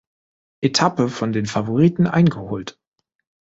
Etappe von den Favoriten eingeholt.